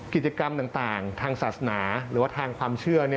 กิจกรรมต่างทางศาสนาหรือว่าทางความเชื่อ